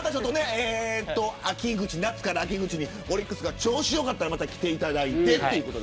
夏から秋口にオリックスが調子良かったらまた来ていただいて。